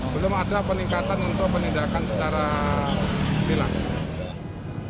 belum ada peningkatan untuk penindakan secara vila